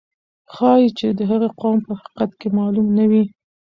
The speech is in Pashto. ښایي چې د هغې قوم په حقیقت کې معلوم نه وي.